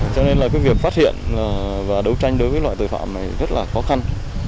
cho nên là cái việc phát hiện và đấu tranh đối với loại tội phạm này rất là khó khăn